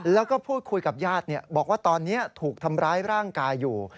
แล้วก็พูดคุยกับญาติบอกว่าตอนนี้ถูกทำร้ายร่างกายอยู่